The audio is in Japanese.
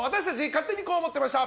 勝手にこう思ってました！